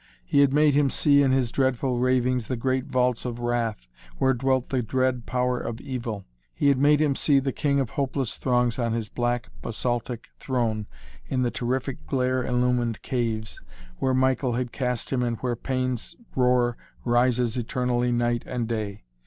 He had made him see in his dreadful ravings the great vaults of wrath, where dwelt the dread power of Evil. He had made him see the King of the Hopeless Throngs on his black basaltic throne in the terrific glare illumined caves, where Michael had cast him and where Pain's roar rises eternally night and day.